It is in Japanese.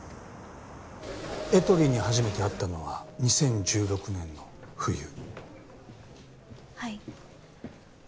エトリに初めて会ったのは２０１６年の冬？